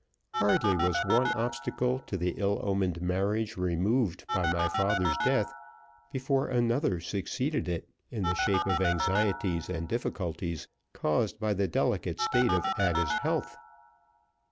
Hardly was one obstacle to the ill omened marriage removed by my father's death before another succeeded it in the shape of anxieties and difficulties caused by the delicate state of Ada's health.